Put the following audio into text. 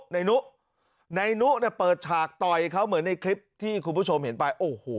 นายนุนายนุเนี่ยเปิดฉากต่อยเขาเหมือนในคลิปที่คุณผู้ชมเห็นไปโอ้โห